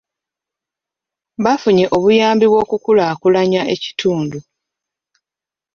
Baafunye obuyambi bw'okukulaakulanya ekitundu.